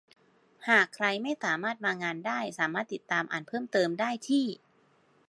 หากใครไม่สามารถมางานได้สามารถติดตามอ่านเพิ่มเติมได้ที่